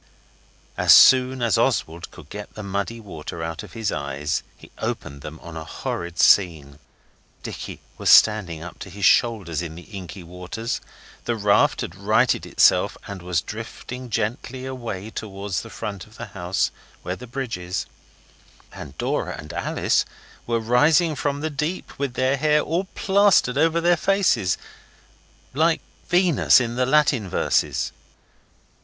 As soon as Oswald could get the muddy water out of his eyes he opened them on a horrid scene. Dicky was standing up to his shoulders in the inky waters; the raft had righted itself, and was drifting gently away towards the front of the house, where the bridge is, and Dora and Alice were rising from the deep, with their hair all plastered over their faces like Venus in the Latin verses.